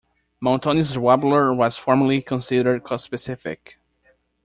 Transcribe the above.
Moltoni's warbler was formerly considered conspecific.